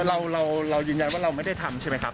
เรายืนยันว่าเราไม่ได้ทำใช่ไหมครับ